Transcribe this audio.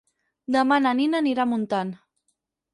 Demà na Nina anirà a Montant.